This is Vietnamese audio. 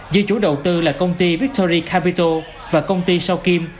dư chủ đầu tư là công ty victory capital và công ty sao kim